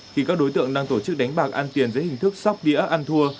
khi các đối tượng đang tổ chức đánh bạc ăn tiền dưới hình thức sóc đĩa ăn thua